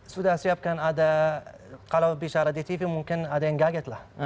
sudah siapkan ada kalau bisa radyatv mungkin ada yang gaget lah